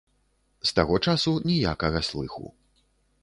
З таго часу ніякага слыху.